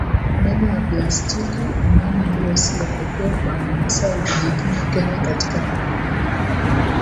meno ya plastiki Imani hiyo si ya pekee kwa Wamasai Vijijini Kenya katika kundi